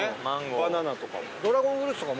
バナナとかも。